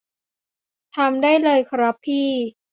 ทำได้เลยครับพี่